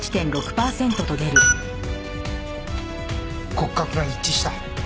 骨格が一致した。